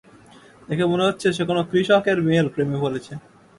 দেখে মনে হচ্ছে সে কোন কৃষকের মেয়ের প্রেমে পড়েছে।